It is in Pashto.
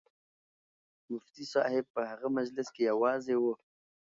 مفتي صاحب په هغه مجلس کې یوازې و.